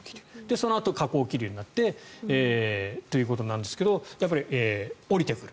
そのあと下降気流になってということなんですけどやっぱり下りてくる。